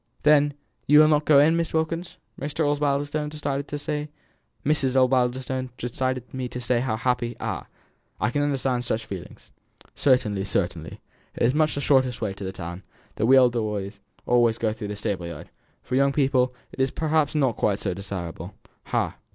Then you will not go in, Miss Wilkins?" Mrs. Osbaldistone desired me to say how happy "Ah! I can understand such feelings Certainly, certainly; it is so much the shortest way to the town, that we elder ones always go through the stable yard; for young people, it is perhaps not quite so desirable. Ha!